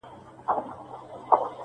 چې دواړه سیال وی